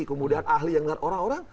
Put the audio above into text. kemudian ahli yang melihat orang orang